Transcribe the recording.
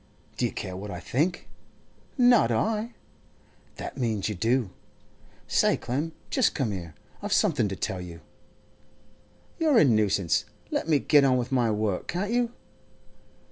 'Do you care what I think?' 'Not I!' 'That means you do. Say, Clem, just come here; I've something to tell you.' 'You're a nuisance. Let me get on with my work, can't you?